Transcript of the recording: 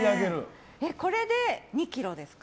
これで２ｋｇですか？